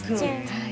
はい。